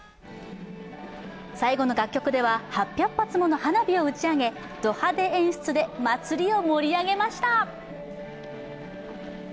最後の楽曲では８００発の花火を打ち上げ、ド派手演出で祭りを盛り上げました。